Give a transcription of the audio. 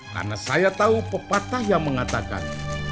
karena saya tahu pepatah yang mengatakan